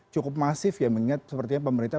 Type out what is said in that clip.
cukup masif ya mengingat sepertinya pemerintah